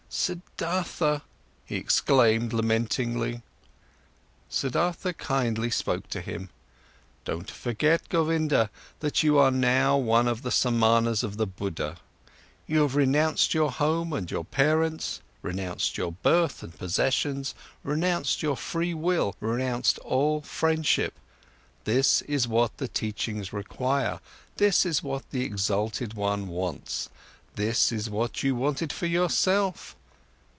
"Siddhartha!" he exclaimed lamentingly. Siddhartha kindly spoke to him: "Don't forget, Govinda, that you are now one of the Samanas of the Buddha! You have renounced your home and your parents, renounced your birth and possessions, renounced your free will, renounced all friendship. This is what the teachings require, this is what the exalted one wants. This is what you wanted for yourself.